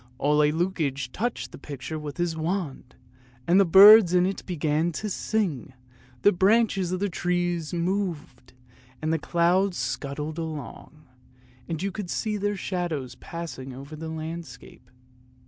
Ole Lukoie touched the picture with his wand, and the birds in it began to sing, the branches of the trees moved, and the clouds scudded along; you could see their shadows passing over the landscape.